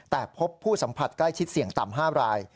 แต่พบผู้สัมผัสใกล้ชิดเสี่ยงต่ำ๕ราย